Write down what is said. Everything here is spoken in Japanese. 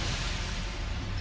え？